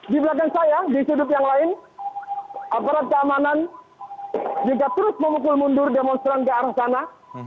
di belakang saya di sudut yang lain aparat keamanan juga terus memukul mundur demonstran ke arah sana